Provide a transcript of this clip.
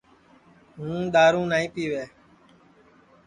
ہُوں دؔارو نائی پِیوے